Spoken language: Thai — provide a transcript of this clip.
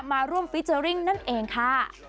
มาร่วมฟิเจอร์ริ่งนั่นเองค่ะ